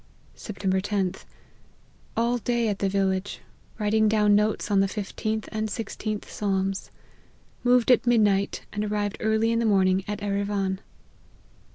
" Sept. 10th. All day at the village, writing down notes on the 15th and 16th Psalms. Moved at midnight and arrived early in the morning at Erivan.